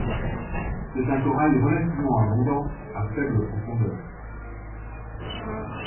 C'est un corail relativement abondant à faible profondeur.